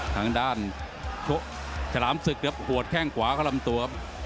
ทางด้านฉลามศึกเกือบโหดแข้งขวาเข้าลำตัว